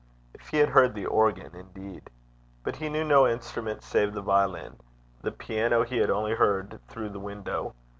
If he had heard the organ indeed! but he knew no instrument save the violin: the piano he had only heard through the window.